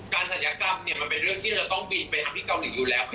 ศัลยกรรมมันเป็นเรื่องที่เราต้องบินไปทำที่เกาหลีอยู่แล้ว